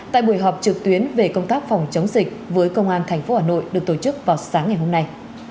tại buổi họp trực tuyến về công tác phòng chống dịch với công an tp hà nội được tổ chức vào sáng ngày hôm nay